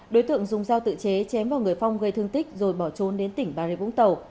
đối tượng dùng dao tự chế chém vào người phong gây thương tích rồi bỏ trốn đến tỉnh bà rịa vũng tàu